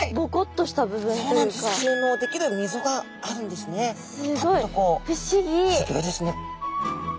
すギョいですね。